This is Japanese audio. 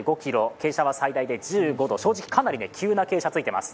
傾斜は最大で１５度、正直かなり急な傾斜がついています。